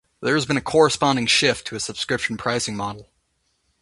There has been a corresponding shift to a subscription pricing model.